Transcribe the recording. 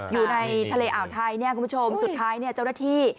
อยู่ในทะเลอาวไทยคุณผู้ชมสุดท้ายเจ้าหน้าที่